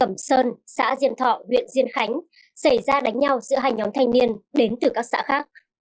hội trường thôn cơ xã diên thọ huyện diên khánh xảy ra đánh nhau giữa hai nhóm thanh niên đến từ các xã khác